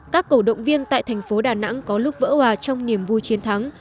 các cầu động viên tại thành phố đà nẵng có lúc vỡ hỏa trong niềm vui chiến thắng